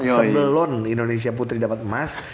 sebelon indonesia putri dapet emas